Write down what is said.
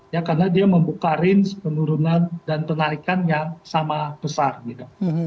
ya karena dia membuka range penurunan dan penarikan yang sama besar gitu